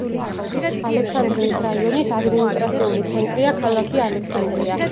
ალექსანდრიის რაიონის ადმინისტრაციული ცენტრია ქალაქი ალექსანდრია.